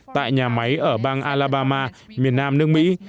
tại nhà máy ở bang alabama miền nam nước mỹ